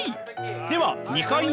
では２回目！